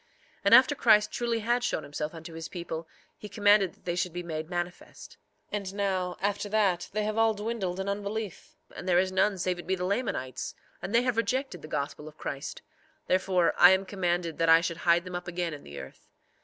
4:2 And after Christ truly had showed himself unto his people he commanded that they should be made manifest. 4:3 And now, after that, they have all dwindled in unbelief; and there is none save it be the Lamanites, and they have rejected the gospel of Christ; therefore I am commanded that I should hide them up again in the earth.